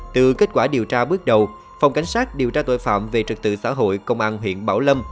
từ kết quả điều tra bước đầu phòng cảnh sát điều tra tội phạm về trật tự xã hội công an huyện bảo lâm